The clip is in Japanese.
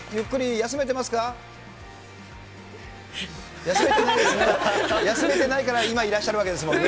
休めてないから、今、いらっしゃるわけですもんね。